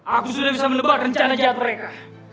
aku sudah bisa menebak rencana jahat mereka